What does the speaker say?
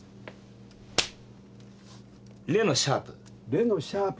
「レ」のシャープ。